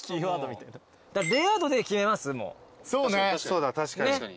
そうだ確かに。